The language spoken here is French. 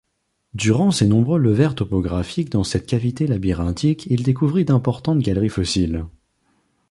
Durant ses nombreux levers topographiques dans cette cavité labyrinthique, il découvrit d'importantes galeries fossiles.